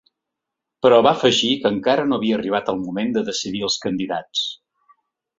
Però va afegir que encara no havia arribat el moment de decidir els candidats.